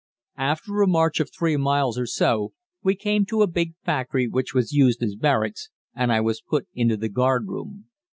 After a march of three miles or so, we came to a big factory which was used as barracks, and I was put into the guardroom.